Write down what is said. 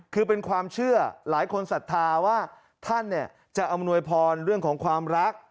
คือเป็นความเชื่อหลายคนศรัทธาว่าท่านจะอำนวยพรเรื่องของความรัก